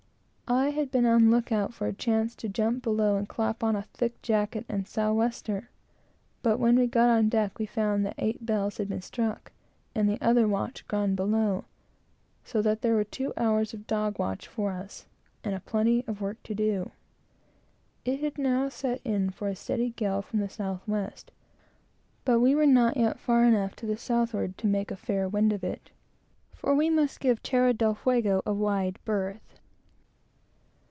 I had been on the look out for a moment to jump below and clap on a thick jacket and south wester; but when we got on deck we found that eight bells had been struck, and the other watch gone below, so that there were two hours of dog watch for us, and a plenty of work to do. It had now set in for a steady gale from the south west; but we were not yet far enough to the southward to make a fair wind of it, for we must give Terra del Fuego a wide berth.